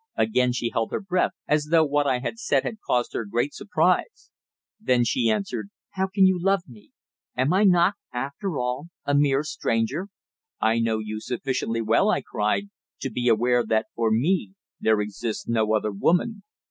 Again she held her breath, as though what I had said had caused her great surprise. Then she answered "How can you love me? Am I not, after all, a mere stranger?" "I know you sufficiently well," I cried, "to be aware that for me there exists no other woman.